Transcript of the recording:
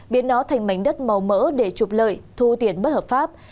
biến nó thành mảnh đất màu mỡ để trục lợi thu tiền bất hợp pháp